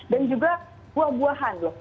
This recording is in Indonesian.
dan juga buah buahan loh